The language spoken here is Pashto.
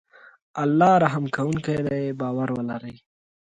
الله رحم کوونکی دی باور ولری